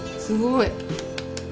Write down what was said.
すごい。